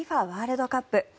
ワールドカップ